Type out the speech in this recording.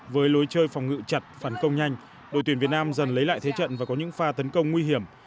với lối chơi phòng ngự chặt phản công nhanh đội tuyển việt nam dần lấy lại thế trận và có những pha tấn công nguy hiểm